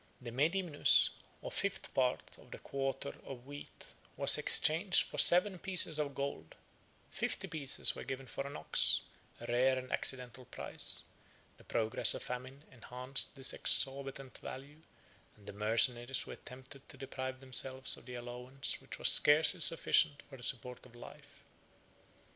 The medimnus, or fifth part of the quarter of wheat, was exchanged for seven pieces of gold; fifty pieces were given for an ox, a rare and accidental prize; the progress of famine enhanced this exorbitant value, and the mercenaries were tempted to deprive themselves of the allowance which was scarcely sufficient for the support of life.